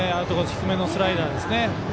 低めのスライダーですね。